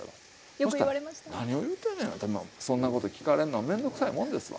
そしたら「何を言うてんねん」ってまあそんなこと聞かれんの面倒くさいもんですわ。